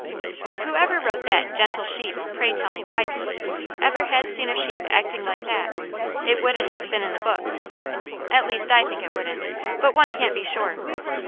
If whoever wrote that "Gentle Sheep, pray tell me why," piece ever had seen a sheep acting like that, it wouldn't have been in the books; at least I think it wouldn't, but one can't be sure.